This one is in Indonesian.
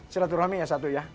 silaturahmi yang satu ya